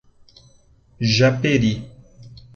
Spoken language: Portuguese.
Japeri